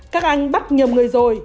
các anh bắt nhầm người rồi